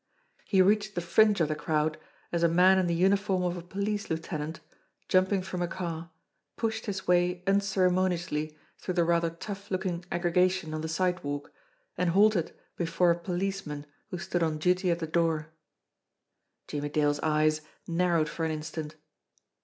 He reached the fringe of the crowd as a man in the uniform of a police lieutenant, jumping from a car, pushed his way unceremoniously through the rather tough looking aggrega tion on the sidewalk, and halted before a policeman who stood on duty at the door. Jimmie Dale's eyes narrowed for an instant.